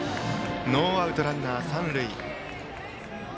ノーアウトランナー、三塁。